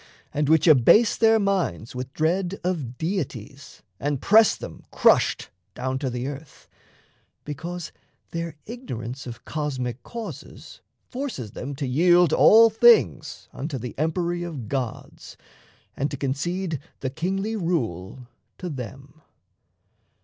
and which abase their minds With dread of deities and press them crushed Down to the earth, because their ignorance Of cosmic causes forces them to yield All things unto the empery of gods And to concede the kingly rule to them.